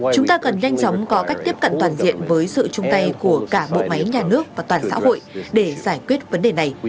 chúng ta cần nhanh chóng có cách tiếp cận toàn diện với sự chung tay của cả bộ máy nhà nước và toàn xã hội để giải quyết vấn đề này